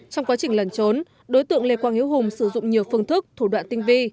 trong quá trình lần trốn đối tượng lê quang hiếu hùng sử dụng nhiều phương thức thủ đoạn tinh vi